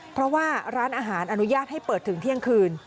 เพราะว่าร้านอาหารอนุญาตให้เปิดถึงเที่ยงคืน